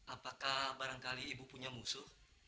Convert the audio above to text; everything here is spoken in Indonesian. apakah barangkali ibu punya musuh